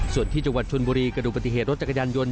ส่วนที่จังหวัดชนบุรีกระดูกปฏิเหตุรถจักรยานยนต